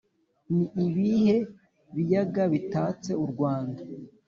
Ni ibihe biyaga bitatse u Rwanda?